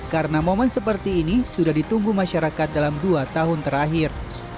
karena momen seperti ini sudah ditunggu masyarakat dalam dua tahun terakhir